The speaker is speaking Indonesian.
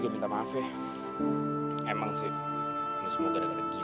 lain ini ini udah muncul